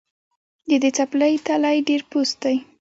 د دې څپلۍ تلی ډېر پوست دی